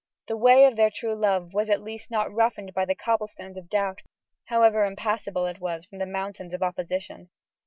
The way of their true love was at least not roughened by cobble stones of doubt, however impassable it was from mountains of opposition.